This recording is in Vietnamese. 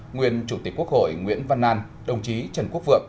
nguyên chủ tịch quốc hội nguyễn văn an đồng chí trần quốc vượng